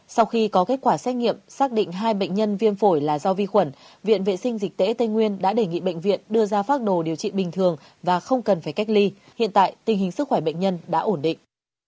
sau khi có kết quả xét nghiệm xác định hai bệnh nhân viêm phổi là do vi khuẩn viện vệ sinh dịch tễ tây nguyên đã đề nghị bệnh viện đưa ra pháp đồ điều trị bình thường và không cần phải cách ly hiện tại tình hình sức khỏe bệnh nhân đã ổn định